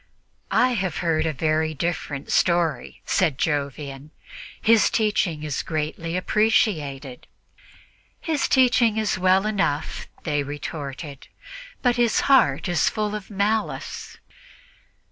"I have heard a very different story," said Jovian; "his teaching is greatly appreciated." "His teaching is well enough," they retorted, "but his heart is full of malice."